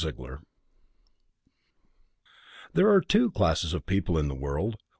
_ There are two classes of people in the world.